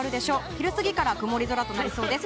昼過ぎから曇り空となりそうです。